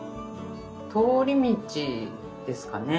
通り道ですかね。